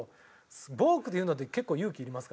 ボークって言うのって結構勇気いりますから。